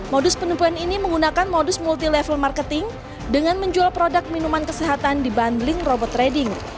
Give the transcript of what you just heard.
modus penipuan ini menggunakan modus multi level marketing dengan menjual produk minuman kesehatan di bundling robot trading